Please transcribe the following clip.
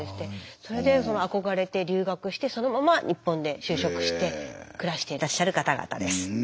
それで憧れて留学してそのまま日本で就職して暮らしてらっしゃる方々です。